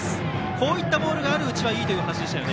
こういったボールがあるうちはいいという感じですね。